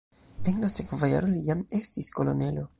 En la sekva jaro li jam estis kolonelo.